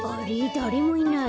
だれもいない。